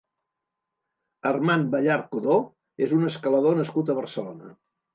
Armand Ballart Codó és un escalador nascut a Barcelona.